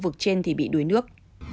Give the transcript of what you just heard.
trong khu vực trên thì bị đuối nước